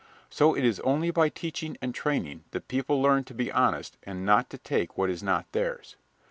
So it is only by teaching and training that people learn to be honest and not to take what is not theirs.